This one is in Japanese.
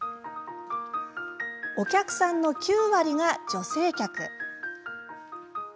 お客さんの９割が女性客。